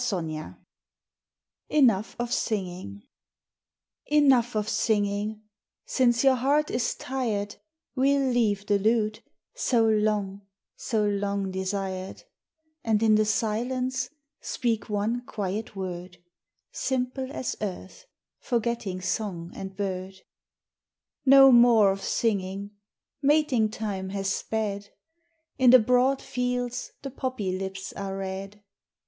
XXII Enough of Singing Enough of singing; since your heart is tired, We'll leave the lute, so long, so long desired, And in the silence speak one quiet word, Simple as earth, forgetting song and bird. No more of singing; mating time has sped, In the broad fields the poppy lips are red.